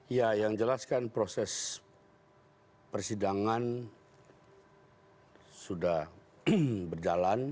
ya yang jelaskan proses persidangan sudah berjalan